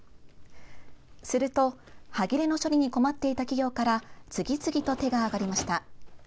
すると、はぎれの処理に困っていた企業から次々と手が挙がりました。